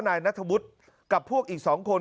นายนัทวุฒิกับพวกอีก๒คน